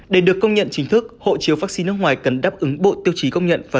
để được công nhận chính thức hộ chiếu vaccine nước ngoài cần đáp ứng bộ tiêu chí công nhận và